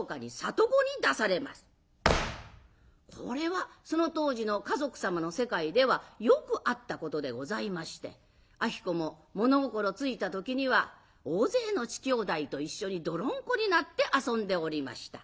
これはその当時の華族様の世界ではよくあったことでございまして子も物心付いた時には大勢の乳兄弟と一緒に泥んこになって遊んでおりました。